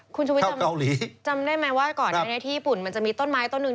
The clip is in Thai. คุณชุมวินจำได้ไหมว่าก่อนนะในที่ญี่ปุ่นมันจะมีต้นไม้ต้นหนึ่ง